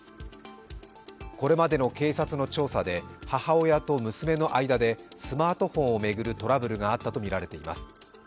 これまでの警察の調査で母親と娘の間でスマートフォンを巡るトラブルがあったとみられています。